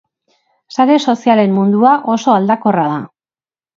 Sare sozialen mundua oso aldakorra da.